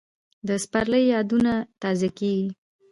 د سپرلي یادونه تازه کېږي